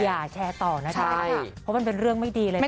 อย่าแชร์ต่อนะคะจริงค่ะมันเป็นเรื่องไม่ดีเลยนะครับค่ะใช่